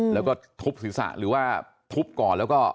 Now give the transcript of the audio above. แล้วก็ทุบศีรษะหรือว่าทุบก่อนแล้วก็